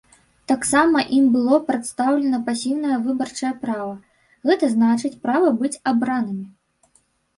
Таксама ім было прадастаўлена пасіўнае выбарчае права, гэта значыць права быць абранымі.